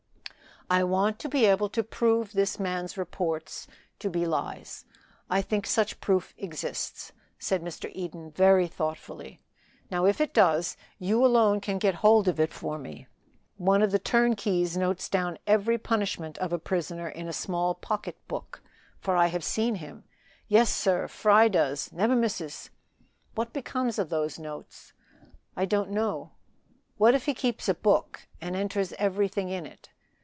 "I want to be able to prove this man's reports to be lies. I think such a proof exists," said Mr. Eden, very thoughtfully. "Now, if it does, you alone can get hold of it for me. One of the turnkeys notes down every punishment of a prisoner in a small pocket book, for I have seen him." "Yes, sir; Fry does never misses!" "What becomes of those notes?" "I don't know." "What if he keeps a book and enters everything in it?"